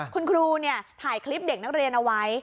คุณครูถ่ายคลิปเด็กนักเรียนเอาไว้